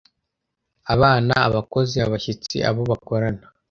abana, abakozi, abashyitsi, abo bakorana.